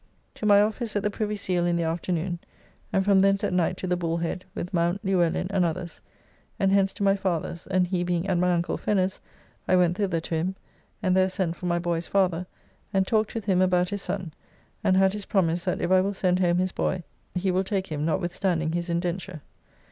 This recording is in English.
To my office at the Privy Seal in the afternoon, and from thence at night to the Bull Head, with Mount, Luellin, and others, and hence to my father's, and he being at my uncle Fenner's, I went thither to him, and there sent for my boy's father and talked with him about his son, and had his promise that if I will send home his boy, he will take him notwithstanding his indenture.